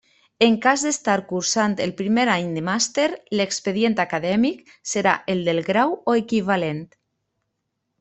En cas d'estar cursant el primer any de màster, l'expedient acadèmic serà el del grau o equivalent.